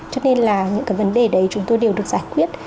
cho nên là những cái vấn đề đấy chúng tôi đều được giải quyết